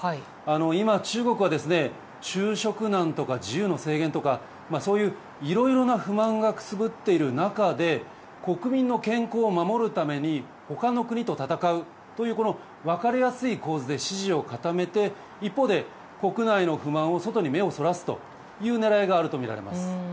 今、中国は就職難とか自由の制限とかそういう、いろいろな不満がくすぶっている中で国民の健康を守るために他の国と闘うという分かりやすい構図で支持を固めて一方で国内の不満を外に目をそらすという狙いがあるとみられます。